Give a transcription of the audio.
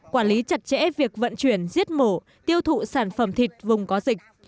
quản lý chặt chẽ việc vận chuyển giết mổ tiêu thụ sản phẩm thịt vùng có dịch